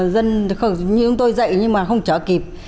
dân như chúng tôi dậy nhưng mà không chở kịp